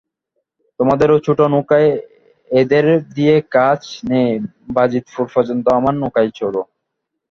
তোমাদের ও ছোট নৌকায় এদের দিয়ে কাজ নেই, বাজিতপুর পর্যন্ত আমার নৌকায় চলো।